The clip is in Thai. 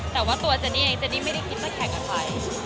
แต่ว่าตัวเจนนี่เองเจนนี่ไม่ได้คิดมาแข่งกับใคร